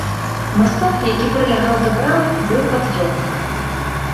Масток, які прылягаў да брамы, быў пад'ёмным.